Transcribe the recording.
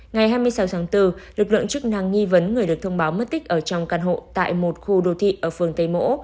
ngày hai mươi sáu tháng bốn lực lượng chức năng nghi vấn người được thông báo mất tích ở trong căn hộ tại một khu đô thị ở phường tây mỗ